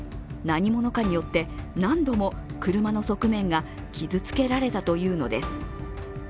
何者かによって、何度も車の側面が傷つけられたというのです。